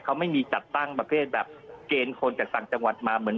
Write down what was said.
เขาไม่มีจัดตั้งบัตรเพศแบบเกณฑ์คนจากศักดิ์จังหวัดมาเหมือน